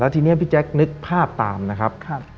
ทีนี้พี่แจ๊คนึกภาพตามนะครับ